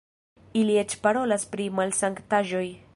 Ili eĉ parolas pri malsanktaĵoj!